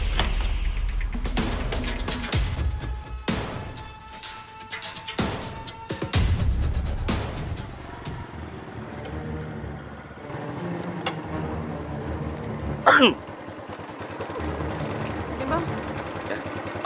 gua gak pernah ngerjain dia